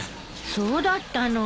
そうだったの。